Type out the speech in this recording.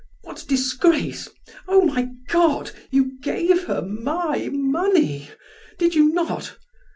What disgrace, oh, my God! You gave her my money did you not?